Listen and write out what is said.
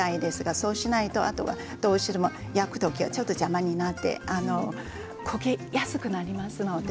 そうしないとどうしても焼くときちょっと邪魔になって焦げやすくなりますのでね。